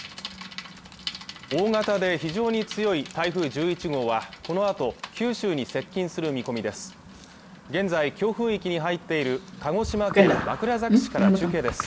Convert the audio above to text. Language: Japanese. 大型で非常に強い台風１１号はこのあと九州に接近する見込みです